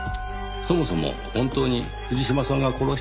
そもそも本当に藤島さんが殺したのでしょうか？